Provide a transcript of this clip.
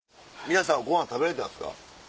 皆さんはごはん食べれたんですか？